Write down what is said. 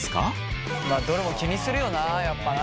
まあどれも気にするよなやっぱな。